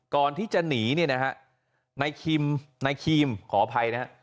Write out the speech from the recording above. ก่อนที่จะหนีเนี่ยนะฮะนายคิมนายคิมขออภัยนะฮะ